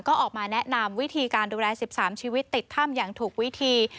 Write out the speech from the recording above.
ก็ออกมาแนะนำวิธีการดูแล๑๓ชีวิตติดถ้ำอย่างถูกวิธี